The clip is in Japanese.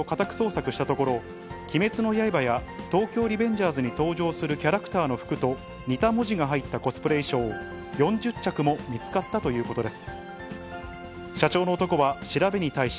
警察が会社を家宅捜索したところ、鬼滅の刃や東京リベンジャーズに登場するキャラクターの服と似た文字が入ったコスプレ衣装、４０着も見つかったということです。